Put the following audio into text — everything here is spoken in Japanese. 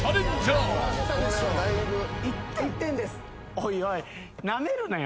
おいおい。